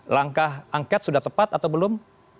langkah angket sudah tepat atau belum